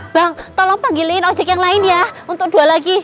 bang tolong panggilin ojek yang lain ya untuk dua lagi